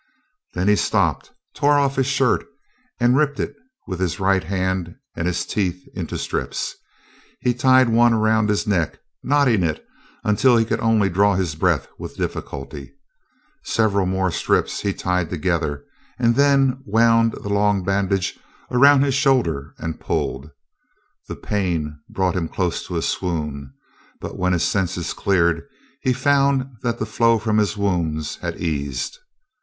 Then he stopped, tore off his shirt, and ripped it with his right hand and his teeth into strips. He tied one around his neck, knotting it until he could only draw his breath with difficulty. Several more strips he tied together, and then wound the long bandage around his shoulder and pulled. The pain brought him close to a swoon, but when his senses cleared he found that the flow from his wounds had eased.